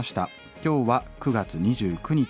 今日は９月２９日。